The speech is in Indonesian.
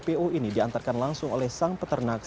po ini diantarkan langsung oleh sang peternak